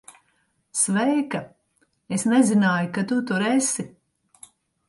Sveika. Es nezināju, ka tu tur esi.